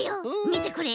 みてこれ。